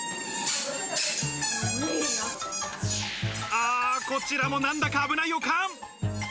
ああ、こちらもなんだか危ない予感。